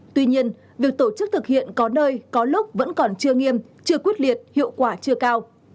tuy nhiên việc tổ chức thực hiện có nơi có lúc vẫn còn chưa nghiêm chưa quyết liệt hiệu quả chưa cao